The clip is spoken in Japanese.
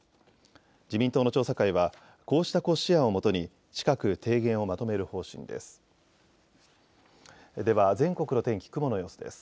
自民党の調査会はこうした骨子案をもとに近く提言をまとめる方針です。